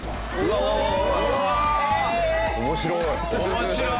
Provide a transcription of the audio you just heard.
面白い！